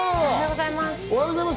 おはようございます。